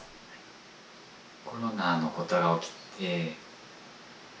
コロナのことが起きて。